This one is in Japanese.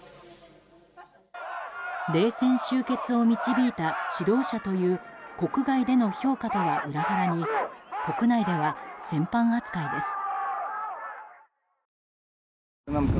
冷戦終結を導いた指導者という国外での評価とは裏腹に国内では戦犯扱いです。